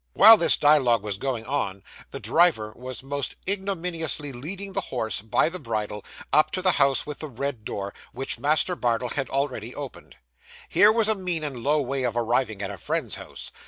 While this dialogue was going on, the driver was most ignominiously leading the horse, by the bridle, up to the house with the red door, which Master Bardell had already opened. Here was a mean and low way of arriving at a friend's house!